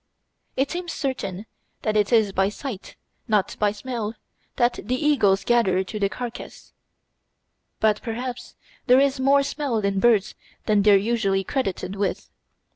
It seems certain that it is by sight, not by smell, that the eagles gather to the carcass; but perhaps there is more smell in birds than they are usually credited with.